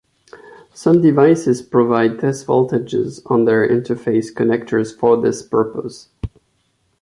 Some devices provide test voltages on their interface connectors for this purpose.